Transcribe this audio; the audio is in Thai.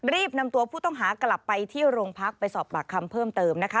รีบนำตัวผู้ต้องหากลับไปที่โรงพักไปสอบปากคำเพิ่มเติมนะคะ